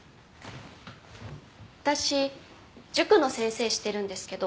私塾の先生してるんですけど